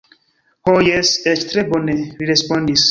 Ho jes, eĉ tre bone, li respondis.